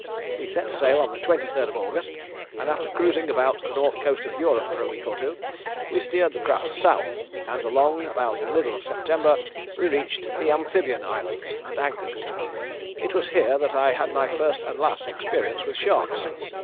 We set sail on the 23rd of August, and after cruising about the North coast of Europe for a week or two, we steered the craft south, and along about the middle of September we reached the Amphibian Islands, and anchored. It was here that I had my first and last experience with sharks.